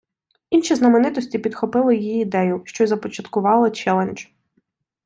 Інші знаменитості підхопили її ідею, що й започаткувало челендж.